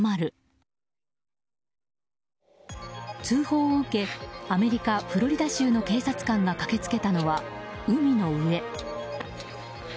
通報を受けアメリカ・フロリダ州の警察官が駆けつけたのは海の上。